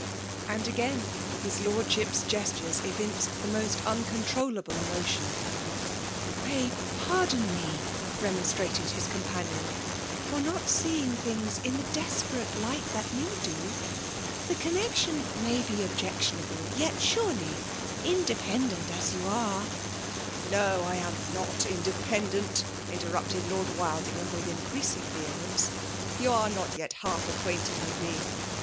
*') And again, his Lorddisp*s gestures evinced Ibe most uacontrolIaUe emotion. '' Vny, pardon me,^ nmoostrated his comi panion, '' tbr not seeing ihingB in the desperate light that you do. The' conaexicm mfty b6 i^ectionable, yet surely, independeail as 'you are ''< No !— I am net independent/^ ikteimj^fed ]pord Wildingham^, with increasing vehertenc^^ '* You are not yet half acquainted Willi nie!